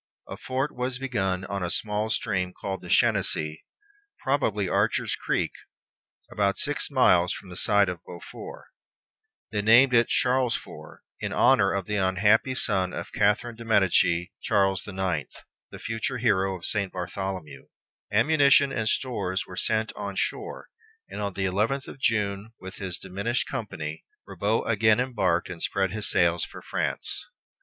A fort was begun on a small stream called the Chenonceau, probably Archer's Creek, about six miles from the site of Beaufort. They named it Charlesfort, in honor of the unhappy son of Catherine de Medicis, Charles the Ninth, the future hero of St. Bartholomew. Ammunition and stores were sent on shore, and on the eleventh of June, with his diminished company, Ribaut again embarked and spread his sails for France.